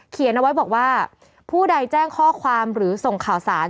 เอาไว้บอกว่าผู้ใดแจ้งข้อความหรือส่งข่าวสาร